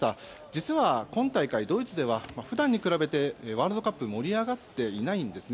実は、今大会ドイツでは普段に比べてワールドカップ盛り上がっていないんです。